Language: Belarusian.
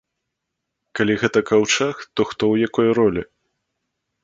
Калі гэта каўчэг, то хто ў якой ролі?